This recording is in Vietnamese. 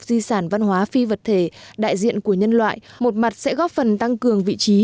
di sản văn hóa phi vật thể đại diện của nhân loại một mặt sẽ góp phần tăng cường vị trí